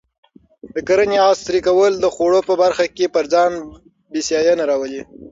د کرنې عصري کول د خوړو په برخه کې پر ځان بسیاینه راولي.